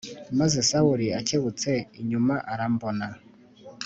Maze Sawuli akebutse inyuma arambona